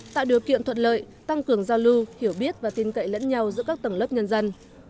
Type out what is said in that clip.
tạo điều kiện thuận lợi tăng cường giao lưu hiểu biết và tin cậy lẫn nhau giữa các tầng lớp nhân dân